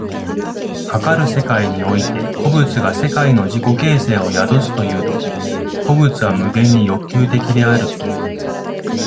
かかる世界において個物が世界の自己形成を宿すという時、個物は無限に欲求的である。